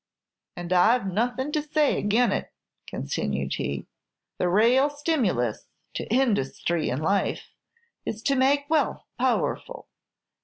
And I 've nothing to say agin it," continued he. "The raal stimulus to industhry in life, is to make wealth powerful.